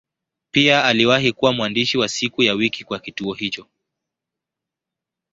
Pia aliwahi kuwa mwandishi wa siku ya wiki kwa kituo hicho.